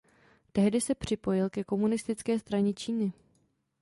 Tehdy se připojil ke Komunistické straně Číny.